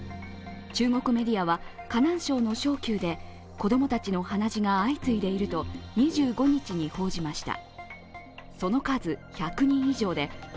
中国メディアは、河南省の商丘で子供たちの鼻血が相次いでいると２５日に報じました。